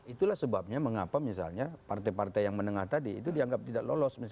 itulah sebabnya mengapa misalnya partai partai yang menengah tadi itu dianggap tidak lolos